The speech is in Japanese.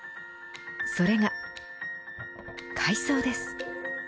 それが海藻です。